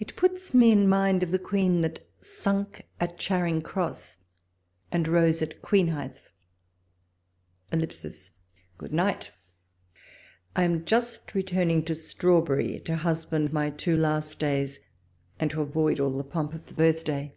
It puts me in mind of the queen that sunk at Charing Cross and rose at Queenhithe. ... Good night! I am just returning to Strawberry, to husband my two last days and to avoid all the pomp of the birthday.